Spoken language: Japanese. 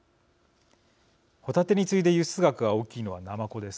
ホタテに次いで輸出額が大きいのは、なまこです。